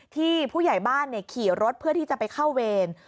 ผู้ใหญ่บ้านขี่รถเพื่อที่จะไปเข้าเวร